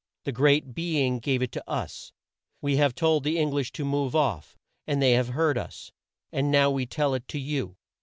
The Great Be ing gave it to us. We have told the Eng lish to move off, and they have heard us, and now we tell it to you.